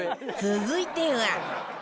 続いては